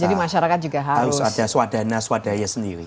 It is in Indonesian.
jadi masyarakat juga harus ada swadana swadaya sendiri